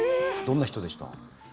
どんな人でした？